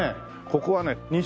ここはね